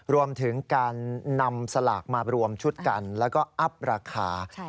รวมถึงการนำสลากมารวมชุดกันแล้วก็อัพราคา